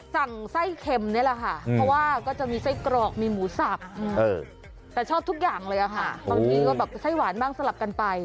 สั่งไส้เค็มนี่แหละค่ะเพราะว่าก็จะมีไส้กรอกมีหมูสับแต่ชอบทุกอย่างเลยค่ะบางทีก็แบบไส้หวานบ้างสลับกันไป